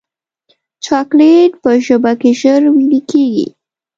چاکلېټ په ژبه کې ژر ویلې کېږي.